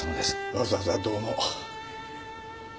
わざわざどうも。